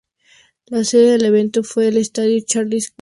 La sede del evento fue el Estadio Charles de Gaulle.